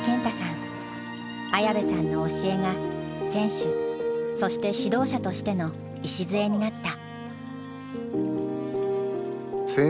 綾部さんの教えが選手そして指導者としての礎になった。